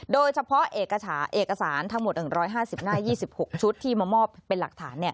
โดยเฉพาะเอกสารทั้งหมด๑๕๐หน้า๒๖ชุดที่มามอบเป็นหลักฐาน